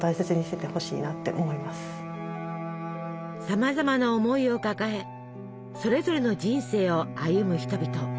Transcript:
さまざまな思いを抱えそれぞれの人生を歩む人々。